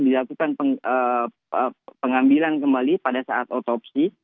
dilakukan pengambilan kembali pada saat otopsi